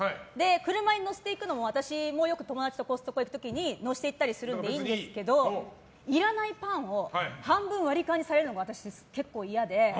車に乗せていくのも私もよく友達とコストコに行く時乗せていったりするのでいいんですけどいらないパンを半分、割り勘にされるのが私、結構嫌で。